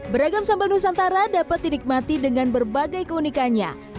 beragam sambal nusantara dapat dinikmati dengan berbagai keunikannya